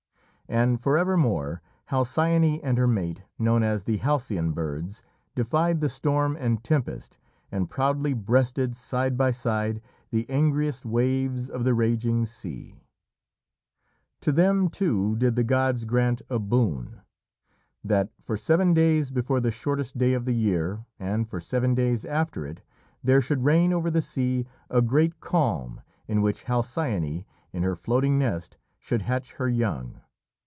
And for evermore Halcyone and her mate, known as the Halcyon birds, defied the storm and tempest, and proudly breasted, side by side, the angriest waves of the raging seas. To them, too, did the gods grant a boon: that, for seven days before the shortest day of the year, and for seven days after it, there should reign over the sea a great calm in which Halcyone, in her floating nest, should hatch her young.